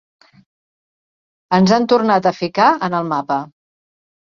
Ens han tornat a ficar en el mapa.